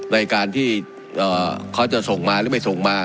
ในการที่เขาจะส่งมาหรือไม่ส่งมา